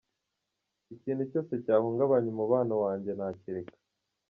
Ikintu cyose cyahungabanya umubano wanjye nakireka.